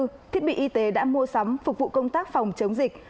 vật tư thiết bị y tế đã mua sắm phục vụ công tác phòng chống dịch